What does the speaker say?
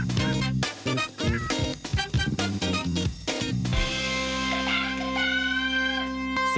แบบนั้นพอที่จะมีที่เล่น